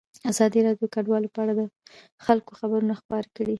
ازادي راډیو د کډوال په اړه د خلکو نظرونه خپاره کړي.